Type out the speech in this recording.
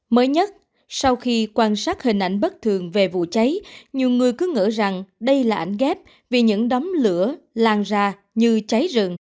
mới nhất sau khi quan sát hình ảnh bất thường về vụ cháy nhiều người cứ ngỡ rằng đây là ảnh ghép vì những đốm lửa lan ra như cháy rừng